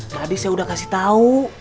tadi saya udah kasih tau